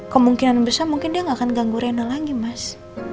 kemungkinan besar mungkin dia nggak akan ganggu reno lagi mas